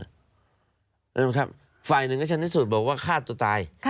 ใช่ไหมครับฝ่ายหนึ่งก็ชนะสูตรบอกว่าฆ่าตัวตาย